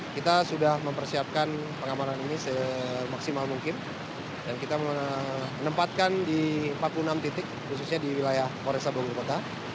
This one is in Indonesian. kita sudah mempersiapkan pengamanan ini semaksimal mungkin dan kita menempatkan di empat puluh enam titik khususnya di wilayah poresta bogor kota